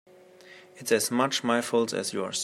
It's as much my fault as yours.